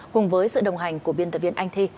cùng với sự đồng hành của biên tập viên anh thi